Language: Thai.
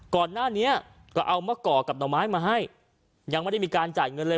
ก่อนหน้านี้ก็เอามะกอกกับหน่อไม้มาให้ยังไม่ได้มีการจ่ายเงินเลย